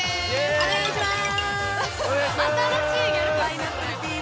お願いします